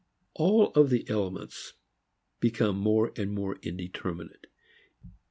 All of the elements become more and more indeterminate.